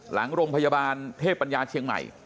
หลังโรงพยาบาลเทพปัญญาเชียงใหม่